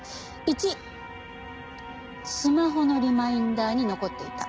１スマホのリマインダーに残っていた。